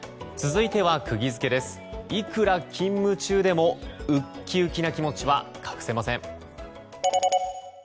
いくら勤務中でもウキウキな気持ちは隠せません。